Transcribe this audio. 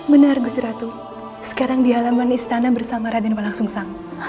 benar besi ratu sekarang di halaman istana bersama raden walangsungsang